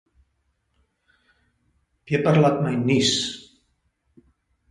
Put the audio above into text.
Peper laat my nies.